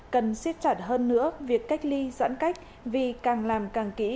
cần siết chặt hơn nữa việc cách ly giãn cách vì càng làm càng kỹ